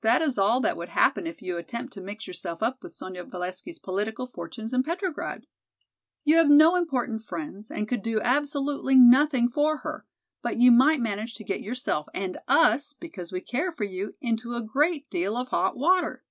That is all that would happen if you attempt to mix yourself up with Sonya Valesky's political fortunes in Petrograd. You have no important friends and could do absolutely nothing for her, but you might manage to get yourself and us, because we care for you, into a great deal of hot water."